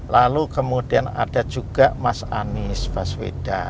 lalu kemudian ada juga mas anies baswedan